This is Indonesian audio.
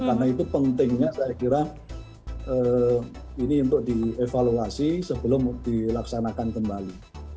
karena itu pentingnya saya kira ini untuk dievaluasi sebelum dilaksanakan kembali